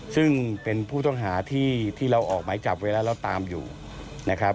ซึ่งเป็นผู้ต้องหาที่เราออกหมายจับไว้แล้วเราตามอยู่นะครับ